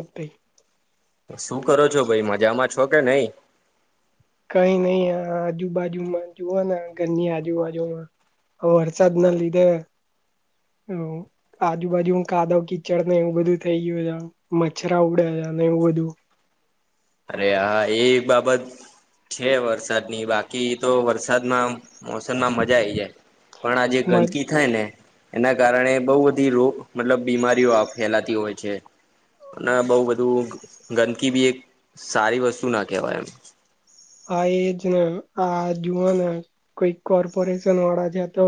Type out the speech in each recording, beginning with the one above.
Okay શું કરો છો ભાઈ મજામાં છો કે નહી. કઈ નઈ આ આજુબાજુમાં જુવા ઘરની આજુબાજુમાં આ વરસાદના લીધે. હ આજુબાજુ હું કાદવ કીચડ એવું બધું થઈ ગયું છે મછરા ઉડયા છે. અનેએવું બધું. [unintelligible] અરે હા એ બાબત છે. વરસાદની બાકી તો વરસાદમાં મોસમમાં મજા આઈ જાય પણ આજે મ ગંદકી થાય ને એના કારણે બહુ બધી રોગ મતલબ બીમારીઓ ફેલાતી હોય છે અને બહુબધું ગંદકી બી એક સારી વસ્તુ ના કહેવાય હા એ જ ને આ જોુવા ને કોઈક કોર્પોરેશન વાળા છે તો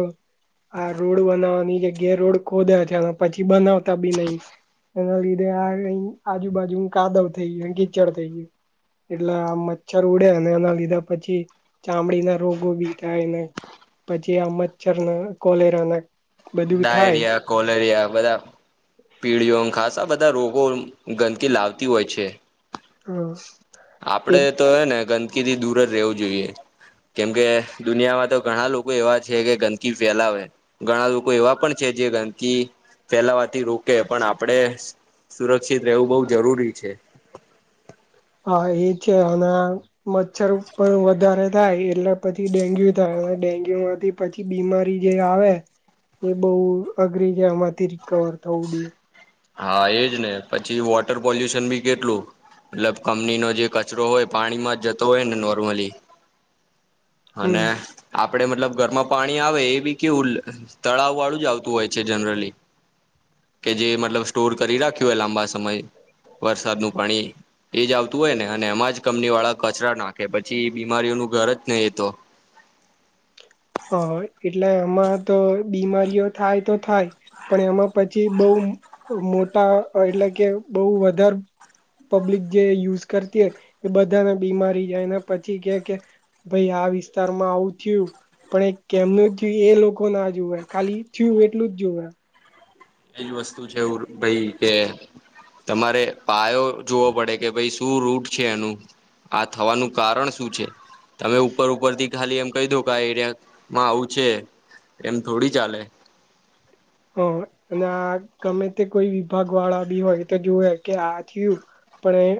આ રોડ બનાવવાની જગ્યાએ રોડ ખોદ્યા છે અને પછી બનાવતા બી નહી એના લીધે આ આજુબાજુ કાદવ થઈ ગયું કીચડ થઈ ગયું એટલે આ મચ્છર ઉ ે અને એના લીધા પછી ચામડી ના રોગો બી થાય ને પછી આ મછર કોલેરાના બધું થાય ડાયરિયા કોલેરિયા બધા પીળીઓમ ખાસ આ બધા રોગો ગંદકી લાવતી હોય છે હા એ આપડે તો ને ગંદકી ગંદકીથી દૂર જ રહેવું જોઈએ કેમકે દુનિયામાં તો ઘણા લોકો એવા છે કે ગંદકી ફેલાવે ઘણા લોકો એવા પણ છે જે ગંદકી ફેલાવાથી રોકે પણ આપણેે સુરક્ષિત રહેવું બહુજરૂરી છે હા એ છે અને મચ્છર પણ વધારે થાય એટલે પછી ડેન્ગ્યુ થાય અને ડેન્ગુ માંથી જે પછી બીમારી જે આવે એ બહુ અઘરી જમાંથી રિકવર થવું બી હા એજ ને પછી વોટર પોલ્યુશન બી કેટલું. મતલબ કંપની નો જે કચરો હોય પાણીમાં જ જતો હોય ને નોર્મલી. હમ અને આપ આપડે મતલબ ઘરમાં પાણી આવે એ બી કેવું તળાવ વાળું જ આવતું હોય છે જનરલી. કે જે મતલબ સ્ટોર કરી રાખ્યો હોય લાંબા સમયે વરસાદનું પાણી એ જ આવતું હોય ને અને એમાં જ કંપની વાળા કચરા નાખે પછી એ બીમારીઓનું ું ઘર જ નહીતો હ એટલે આમાં તો બીમારીઓ થાય તો થાય. પણ એમાં પછી બઉુ મોટા એટલે કે બહ વધારે પબ્લિક જે યુઝ કરતી હો એ બધાને બીમારી જાય એના પછી કે- કે ભાઈ આ વિસ્તારમાં આવું થયું. પણ એ કેમનું જોયું એ લોકો ના જુવે ખાલી થયું એટલું જ જોુવે. એવી વસ્તુ છે ભાઈ કે તમારે પાયો જોવો પડે કે ભાઈ શું રૂટ છે એનું આ થવાનું કારણ શું છે. તમે ઉપર ઉપર થી ખાલી એમ કઈ દો કે આ એરિયામાં આવું છે. એમ થોડી ચાલે. હા અને આ ગમે તે કોઈ વિભાગ વાળા બી હોય તો જોવે કે આ થયું. પણ એ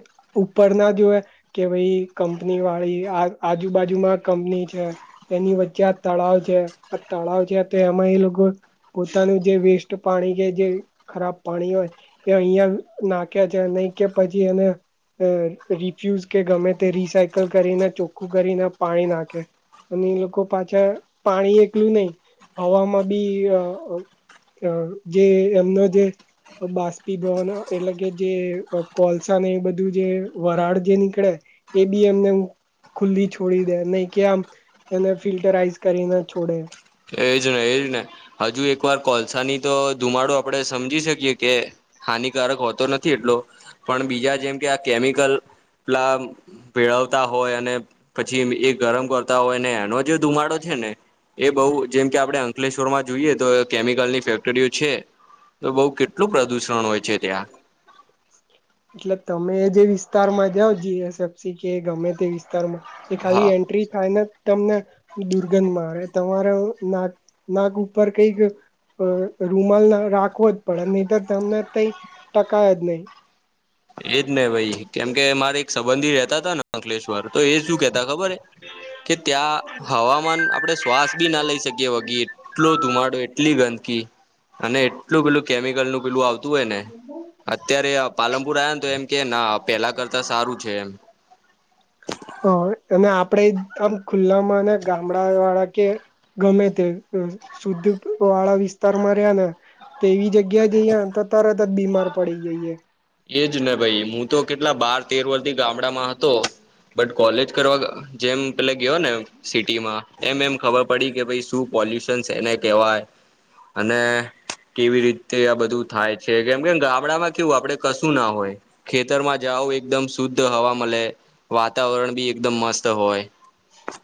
ઉપર ના જોવે કે ભાઈ કંપની વાળી આ આજુ-બાજુ માં કંની એની વચ્ચે આ તળાવ છે આ તળાવ છે એમાં એ લોકો પોતાનું જે વેસ્ટ પાણી કે જે ખરાબ પાણી હોય એ અહિયાં નાખ્યા છે નહી કે પછી એને અ રિફ્યુઝ કે ગમે તે રિસાયકલ કરીને ચોખ્ખું કરીને પાણી નાખે. અને એ લોકો પાછા પાણી એકલું નહી હવામાં બી જે એમનો જે બાષ્પીભવન એટલે કે જે કોલસા ને એ બધું જે વરાળ જે નીકળે એ બી એમને ખુલ્લી છોડી દે નહી કે આમ એને ફિલ્ટરાઈઝ કરીને છોડે કોલસા ની તો ધુમાડો આપણે સમજી શકીએ કે હાનિકારક હોતો નથી એટલો પણ બીજા જેમ કે આ કેમિકલ પલા ભેળવતા હોય અને પછી એ ગરમ કરતા હોય ને એનો જે ધુમાડો છે ને એ બહ જેમ કે આપણે અંકલેશ્વર માં જોઈએ તો કેમિકલની ફેક્ટરીઓ છે. તો બઉ કેટલું પ્રદુષણ હોય છે. ત્યાં એટલે તમે જે વિ વિસ્તારમાં જઓ જી એસફસી કે ગમે તે વિસ્તારમાં એ હા ખાલી એન્ટ્રી થાય. તમને દુર્ગંધ મારે તમારા નાક નાક ઉપર કઈક અ રૂમાલ ના રાખવો જ પડે નહી તો તમને કં ટકાય જ નહી. એજ નને ભાઈ કેમ કે મારે એક સંબંધી રતા હતા ને અંકલેશ્વર તો એ શું કેતા ખબર હે કે ત્યાં હવામાન આપડે શ્વાસ બી ના લઈ શકીએ વગી એટલો ધુમાડો એટલી ગંદકી અને એટલું પેલું કેમિકલ નું પેલું આવતું. હો ને અત્યારે પાલનપુર આવ્યા ને તો એમ કે પેલા કરતા સારું છે એમ [inaudible] હ અને આપણેે આમ ખુલ્લામાં અને ગામડા વાળા કે ગમે તે સુદધ વાળા વિસ્તારમાં રહ્યા ને તેવી જ જગ્યા જઈએ તો તરત જ બીમાર પડી જઈે. એજ ને ભાઈ હું તો કેટલા બાર તેર વર્ થી ગામડામાં હતો. બટ કોલેજ કરવા જેમ પેલે ગયો ને સિટીમાં એમ એમ ખબર પડી કે શું પોલ્યુશન્સ એને કહેવાય. અને કેવી રીતે આ બધું થાય છે, કેમ કેમ ગામડામાં કેવું આપડે. કશું ના હોય ખેતરમાં જાઓ, એકદમ શુદ્ધ હવા મળે, વાતાવરણ બી એકદમ મસ્ત. હોય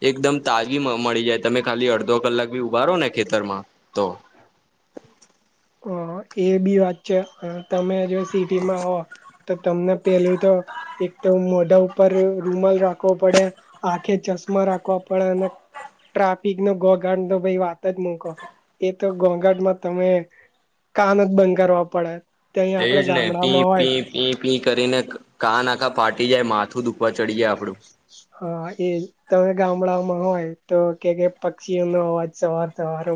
એકદમ તાગી મળી જાય. તમે ખાલી અડધો કલાક ભી ઉભારો ને ખેતરમાં તો અ એ બી વાત છે, તમે જો સિટીમાં આવો. તો તમને પેલું તો એક તો મોઢા ઉપર રૂમલ રાખવો, પડે આંખે ચશ્મા રાખવા પડે અને ટ્રાફિક નો ઘોઘાંટ નો ભાઈ વાત જ મૂકો, એ તો ઘોઘાટમાં તમે કામ જ બંધ કરવા પડે. ત્યાં એ આપડે જ ને પી, ગામડામાં હોય પી, પી, પી કરીને કાના આખાં ફાટી જાય માથું. બધું પચડીએ આપડું, હા એ તમે ગામડામાં હોય તો, કે કે પક્ષીઓ નો અવાજ સવાર સવાર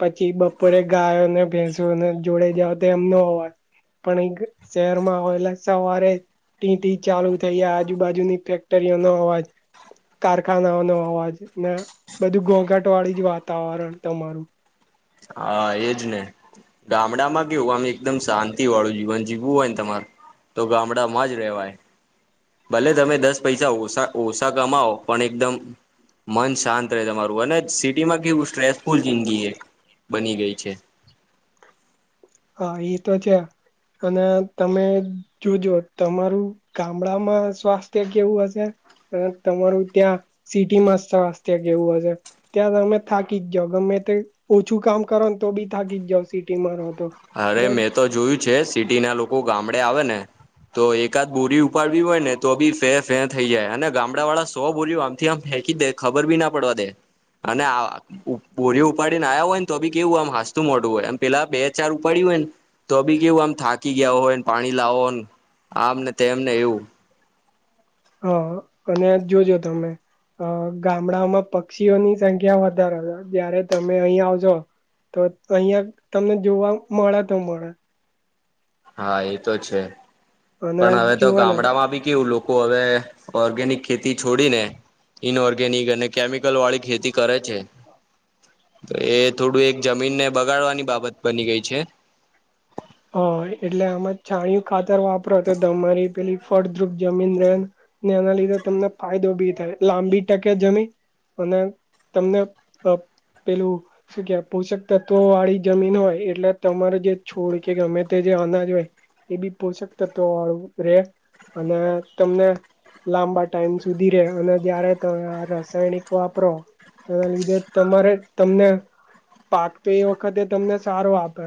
પછી બપોરે ગાયોને ભેંસને જોડે જાવ તો એમનો અવાજ, પણ એ શહેરમાં હોયલા સવારે ટી ટી ચાલુ થઈ જાય. આજુબાજુની ફેક ફેક્ટરી નો અવાજ. કારખાનાઓ નો અવાજ ને બધું ઘોંઘાટ વાળી જ વાતાવરણ તમારું હા એજ ને ગામડામાં કેવું આમ એકદમ શાંતિ વાળું જીવન જીવું હોય ને તમારે, તો ગામડા માં જ રેવાય, ભલે તમે દસ પૈસા ઓછા ઓછા કમાવ પણ એકદમ મન શાંત રહે તમારું અને સિટીમાં કેવું સ્ટ્રેસફુલ જિંદગી એ બની ગઈ છે. હા એ તો છે. અને તમે જોજો તમારું ગામડામાં સ્વાસ્થ્ય કેવું હશે. તમારું ત્યાં સિટીમાં સ્વાસ્થ્ય કેવું હશે ત્યાં તમે થાકી જ જા ગમે ઓછું કામ કરો ને તો બી થાકી જ જાવ સિટીમાં રહો તો, અરે મેં તો જોયું છે, સિટી ના લોકો ગામડે આવે ને. તો એકાદ બોરી ઉપાડવી હોય, ને તો બી ફે ફે થઈ જાય અને ગામડા વાળા સો બોરઓ આમથી આમ હે કીધે ખબર બી ના પડવા દે. અને ભરી ઉપાડીને આવ્યા હોય, ને તો બી કેવું આમ હાસતું મોટું હોયમ પેલા બે ચારું પડ્યું હોય ને તો બી કેવું આમ થાકી ગયા, હોયને પાણી લાવો હોય ને. આમ ને તેમને એવું. હા અને જોજો તમે, અ ગામડાઓમાં પક્ષીઓની સંખ્યા વધારે જયારે તમે અહીં આવજો. તો અહિયાં તમને જોવા મળે તો મળે. હા એ તો છે, અને પણ હવે તો જુઓ ને ગામડામાં બી કેવું લોકો હવે ઓર્ગેનિક ખેતી છોડીને ઇન ઓર્ગેનિક અને કેમિકલ વાળી ખેતી કરે છે. તો એ થોડું એક જમીનને બગાડવાની બાબત બની ગઈ છે. હા એટલે આમાં છાણયું ખાતર વાપરો તો તમારી પેલી ફળદ્રુપ જમીન રહેને એના લીધે તમને ફાયદો બી થાય લાંબી ટકે જમીન. અને તમને પેલું શું કે પોષક તત્વો વાળી જમીન હોય એટલે તમારે જે છોડ. કે અમે તે જે અનાજ હોય, એ બી પોષક તત્વ વાળુ રે. અને તમને લાંબા ટાઈમ સુધી રે અને જયારે તમે આ રાસાયણિક વાપરો. એના લીધે તમારે તમને પાક તો એ વખતે તમને સારો આપે.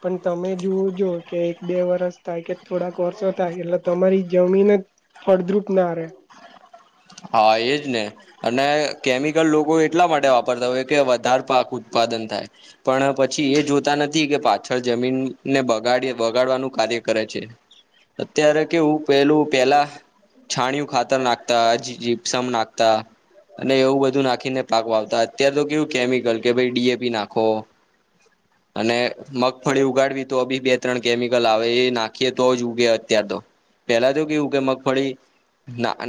પણ તમે જોવું જો કે એક બે વરસ થાય કે થોડાક વર્ષો થાય એટલે તમારી જમીન જ ફળદ્રુપ ના રેય. હા, એજ ને અને કેમિકલ લોકો, એટલા માટે વાપરતા હોય કે વધારે પાક ઉત્પાદન થાય પણ પછી એ જોતા નથી કે પાછું જમીનને બગાડવાનું કાર્ય કરે છે. અત્યારે કેવું પેલું પેહલા છાણિયું ખાતર નાખતા જીપ્સમ નાખતા અને એવું બધું નાખીને પાક વાવતા, અત્યારે તો કેવું કેમિકલ કે ભાઈ ડી એ પી નાખો. અને મગફળી ઉગાડવી તો બી બે-ત્રણ કેમિકલ આવે એ નાખીએ તો જ ઉગે અત્યાર તો. પેલા તો કેવું, કે મગફળી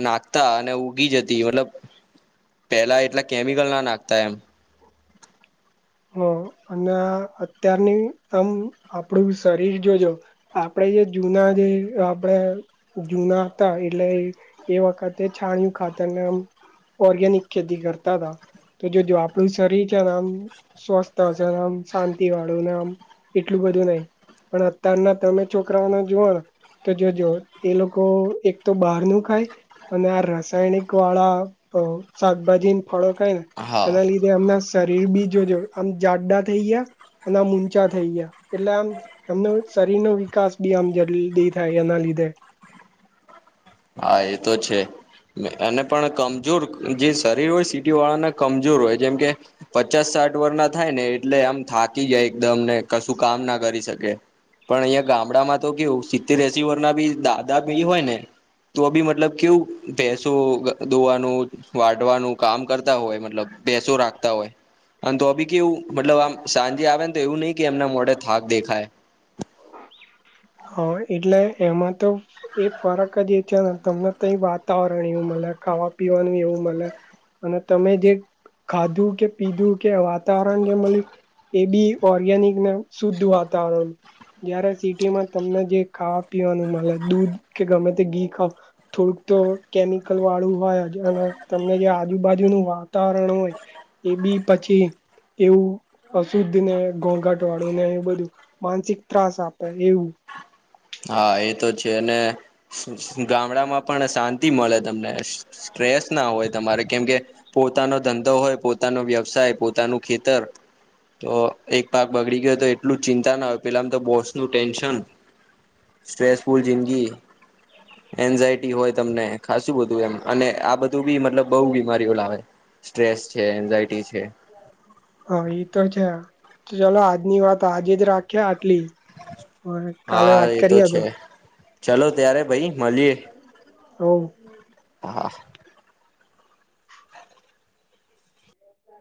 નાખતા ઉગી જતી મતલબ પેલા એટલા કેમિકલ ના નાખતા એમ હા, અને અત્યારની આમ આપડું શરીર જોજો આપણે જે જૂના જે આપણે જુના હતા એટલે એ વખતે છણિયું ખાતાર એમ ઓર્ગેનિક ખેતી કરતા, તો જો આપ આપણું શરીર છે, ને આમ સ્વસ્થ છે, આમ શાંતિ વાળું, ને આમ એટલું બધું નહી. પણ અત્યારના તમે છોકરાઓને જુઓ તો જો એ લોકો એક તો બહારનું ખાય અને આ રસાયણિક વાળા હ શાકભાજી અને ફળો ખાઈને હા શરીર બી જો જો આમ જાડા થઈ ગયા અને આમ ઊંચા થઈ ગયા. એટલે આમ એમને શરીરનો વિકાસ બી આમ જલ્દી થાય એના લીધે હા, એ તો છે. અને પણ કમજોર જે શરીર હોય સીટી વાળાને કમજોર હોય, જેમ કે પચાસ સાઠ વર્ષના થાય ને એટલે આમ થાકી જાય એકદમને કશું કામ ના કરી શકે. પણ અહિયાંયા ગામડામાં તો કેવું સિત્તેર એસી વર્ષના બી દાદા બી હોય ને તો, બી મતલબ કેવું પેસો દોડવાનું, વાઢવાનું કામ કરતા હોય. મતલબ બેસો રાખતા હોય. અને તો બી કેવું મતલબ આમ સાંજે આવીને તો એવું નહી કે એમના મોઢે થાક દેખાય. [inaudible] હા, એટલે એમાં તો એ ફરક જ એ છે ને તમને તો એ વાતાવરણ એવું મ ખાવા-પીવાનું એવું મળે અને તમે જે ખાધું કે, પીધું કે વાતાવરણ જે મળ એ બી ઓર્ગેનિકને શુદ્ધ વાતાવરણ, જયારે સિટીમાં તમને જે ખાવા પીવાનું મળે દૂધ કે ગમે તે ઘી ખાાવ થોડુંક તો કેમિકલ વા વાળું હોય અને તમને જે આજુબાજુનું વાતાવરણ હોય, એ બી પછી એવું અશુદ્ધ ને ઘોઘાટ વાળું ને એ બધું માનસિક ત્રાસ આપે એવું. હા, એ તો છે અને ગામડામાં પણ શાંતિ મળે તમને સ્ટ્રેસ ના હોય તમારે કેમ કે પોતાનો ધંધો હોય પોતાનો વ્યવસાય, પોતાનું ખેતર તો એક પાક બગડી ગયો તો એટલું ચિંતા ના હોય. પેલામ તો બોસનું ટેન્શન સ્ટ્રેસફુલ જિંદગી એન્ઝાયટી હોય તમને, ખાસું બધું એમ અને આ બધું બી મતલબ બહુ બીમારીઓ લાવે. સ્ટ્રેસ છે એન્ઝાયટી છે [inaudible] હા, એતો છે ચાલો આજની વાત આજે રાખીએ. હા, એતો કરીએ છે તો ચલો ત્યારે ભાઈ, મળીએે. હા. હા, હા.